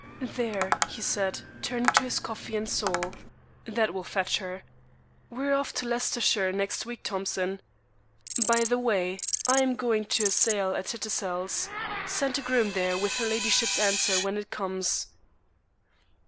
"There," he said, turning to his coffee and sole. "That will fetch her. We are off to Leicestershire next week, Thompson. By the way, I am going to a sale at Tattersall's. Send a groom there with her ladyship's answer when it comes."